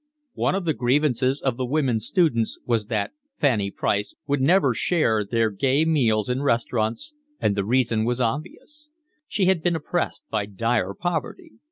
One of the grievances of the women students was that Fanny Price would never share their gay meals in restaurants, and the reason was obvious: she had been oppressed by dire poverty.